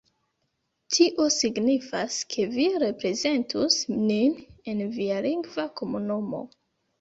Tio signifas, ke vi reprezentus nin en via lingva komunumo